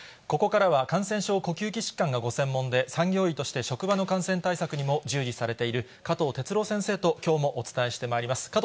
ここからは感染症呼吸器疾患がご専門で、産業医として職場の感染対策にも従事されている、加藤哲朗先生ときょうもお伝えしてまいります。